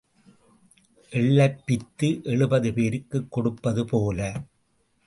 எள்ளைப் பிய்த்து எழுபது பேருக்குக் கொடுப்பது போல.